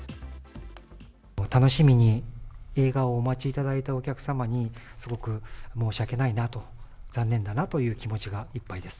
楽しみに映画をお待ちいただいたお客様に、すごく申し訳ないなと、残念だなという気持ちがいっぱいです。